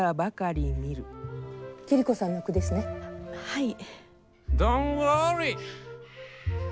はい。